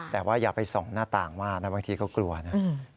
แต่ว่าอย่าไปส่องหน้าต่างมากนะบางทีก็กลัวนะ